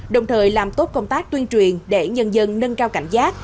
đồng thời làm tốt công tác tuyên truyền để nhân dân nâng cao cảnh giác